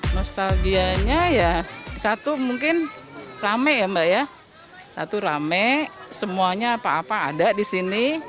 nostalgianya ya satu mungkin rame ya mbak ya satu rame semuanya apa apa ada di sini